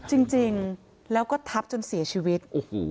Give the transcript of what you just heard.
จริงแล้วก็ทับจนเสียชีวิต